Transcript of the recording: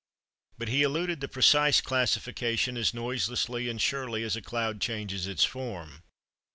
But he eluded the precise classification as noiselessly and surely as a cloud changes its form.